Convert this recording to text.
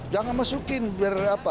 jangan masukin biar apa